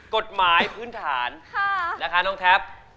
กฎหมายพื้นฐานนะคะน้องแท็บ